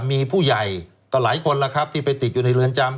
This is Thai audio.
มีผู้ใหญ่ต่อหลายคนแล้วครับที่ไปติดอยู่ในเรือนจำ